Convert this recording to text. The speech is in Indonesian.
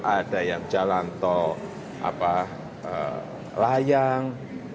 ada yang jalan tol layang